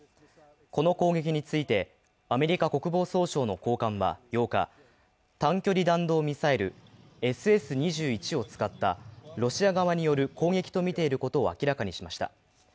この攻撃について、アメリカ国防総省の高官は８日短距離弾道ミサイルＳＳ２１を使ったロシア側による攻撃とみていることを明らかにしました。